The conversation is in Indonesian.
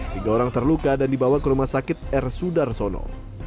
tiga orang terluka dan dibawa ke rumah sakit r sudarsono